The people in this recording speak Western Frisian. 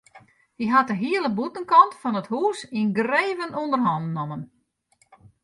Hy hat de hiele bûtenkant fan it hûs yngreven ûnder hannen nommen.